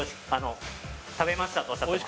食べましたとおっしゃってます